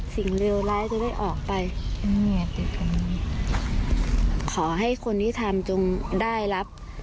เลวร้ายจะได้ออกไปอืมขอให้คนที่ทำจงได้รับ